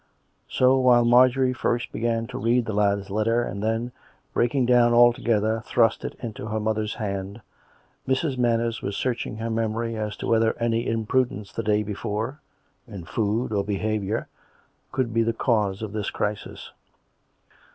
So, while Marjorie first began to read the lad's letter, and then, breaking dowH altogether, thrust it into her mother's hand, Mrs. Manners was searching her memory as to whether any imprudence the day before, in food or behaviour, could be the cause of this crisis.